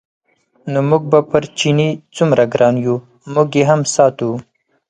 نو موږ به پر چیني څومره ګران یو موږ یې هم ساتو.